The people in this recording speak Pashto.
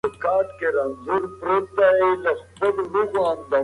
د فلسفې او ټولنپوهني ترمنځ اړیکې باید وڅېړل سي.